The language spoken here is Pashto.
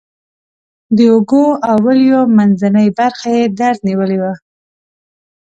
د اوږو او ولیو منځنۍ برخه یې درد نیولې وه.